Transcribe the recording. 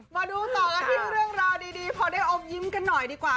มาดูต่อกันที่เรื่องราวดีพอได้อมยิ้มกันหน่อยดีกว่า